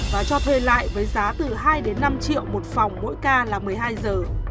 và cho thuê lại với giá từ hai đến năm triệu một phòng mỗi ca là một mươi hai giờ